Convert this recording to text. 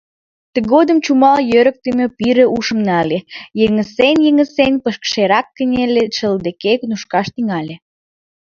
Тыгодым чумал йӧрыктымӧ пире ушым нале, йыҥысен-йыҥысен, пыкшерак кынеле, шыл деке нушкаш тӱҥале.